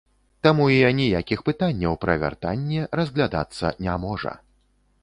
Таму і аніякіх пытанняў пра вяртанне разглядацца не можа.